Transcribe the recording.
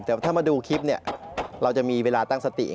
แต่ถ้ามาดูคลิปเนี่ยเราจะมีเวลาตั้งสติ